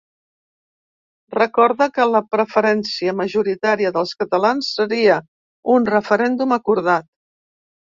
Recorda que la preferència majoritària dels catalans seria un referèndum acordat.